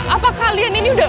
apa kalian ini udah